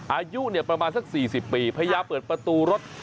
อายุประมาณสัก๔๐ปีพยายามเปิดประตูรถ